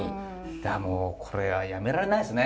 もうこれはやめられないですね。